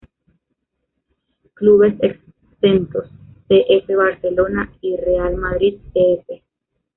Clubes exentos: C. F. Barcelona y Real Madrid C. F..